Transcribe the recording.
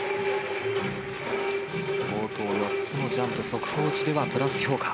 冒頭４つのジャンプ速報値ではプラス評価。